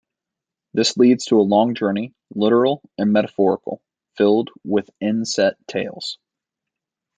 This leads to a long journey, literal and metaphorical, filled with in-set tales.